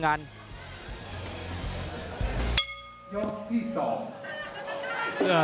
เดี๋ยวตามต่อยก๒ครับ